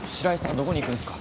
どこに行くんすか？